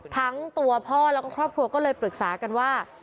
ทั้งตัวพ่อแล้วก็ครอบครัวก็เลยปรึกษากันว่า